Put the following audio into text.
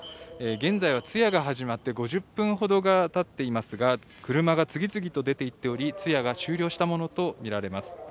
現在は通夜が始まって５０分ほどがたっていますが、車が次々と出ていっており、通夜が終了したものと見られます。